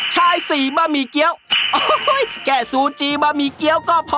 ใช่สิบะหมี่เกี๊ยวโอ้โหแค่ซูจิบะหมี่เกี๊ยวก็พอ